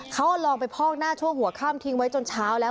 เขาลองไปพอกหน้าช่วงหัวข้ามทิ้งไว้จนเช้าแล้ว